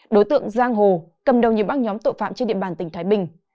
đối tượng giang hồ cầm đầu những bác nhóm tội phạm trên điện bàn tỉnh thái bình